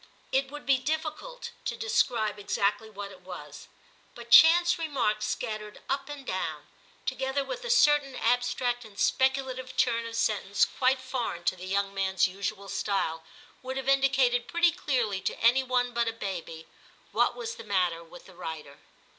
1 1 would be difficult to describe exactly what it was ; but chance remarks scat tered up and down, together with a certain ab X TIM 223 stract and speculative turn of sentence quite foreign to the young man's usual style, would have indicated pretty clearly to any one but a baby what was the matter with the writer.